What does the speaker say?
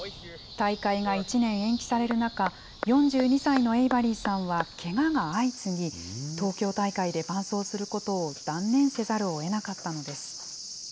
大会が１年延期される中、４２歳のエイバリーさんはけがが相次ぎ、東京大会で伴走することを断念せざるをえなかったのです。